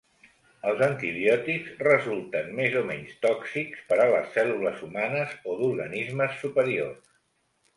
Els antibiòtics resulten més o menys tòxics per a les cèl·lules humanes o d'organismes superiors.